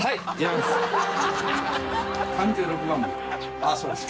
あぁそうですか。